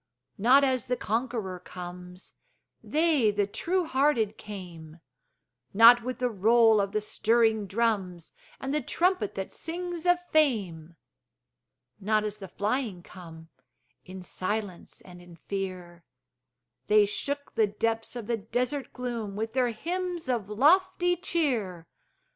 Not as the conqueror comes, They, the true hearted came; Not with the roll of the stirring drums, And the trumpet that sings of fame; Not as the flying come, In silence and in fear; They shook the depths of the desert gloom With their hymns of lofty cheer.